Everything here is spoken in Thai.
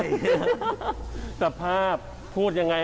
พี่บอกว่าบ้านทุกคนในที่นี่